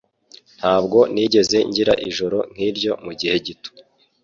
Ntabwo nigeze ngira ijoro nkiryo mugihe gito.